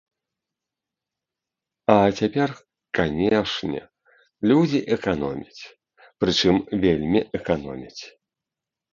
А цяпер, канешне, людзі эканомяць, прычым вельмі эканомяць.